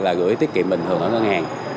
là gửi tiết kiệm bình thường ở ngân hàng